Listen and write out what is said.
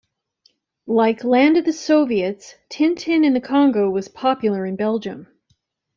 Like "Land of the Soviets", "Tintin in the Congo" was popular in Belgium.